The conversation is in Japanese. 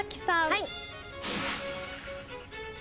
はい。